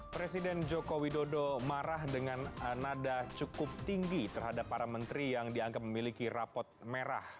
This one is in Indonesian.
presiden joko widodo marah dengan nada cukup tinggi terhadap para menteri yang dianggap memiliki rapot merah